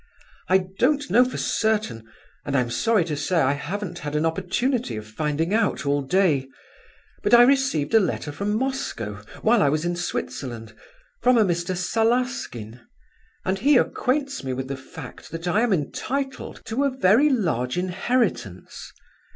"I don't know for certain, and I'm sorry to say I haven't had an opportunity of finding out all day; but I received a letter from Moscow, while I was in Switzerland, from a Mr. Salaskin, and he acquaints me with the fact that I am entitled to a very large inheritance.